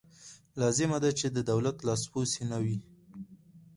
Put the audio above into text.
لازمه ده چې د دولت لاسپوڅې نه وي.